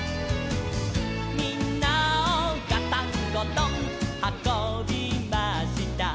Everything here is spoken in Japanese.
「みんなをガタンゴトンはこびました」